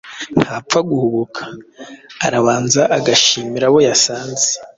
Ntapfa guhubuka, arabanza agashimira abo yasanze,